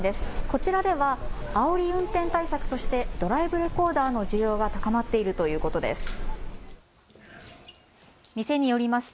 こちらでは、あおり運転対策としてドライブレコーダーの需要が高まっているということです。